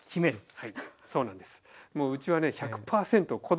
はい。